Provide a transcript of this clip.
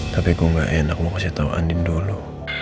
tapi gue gak enak mau kasih tau andin dulu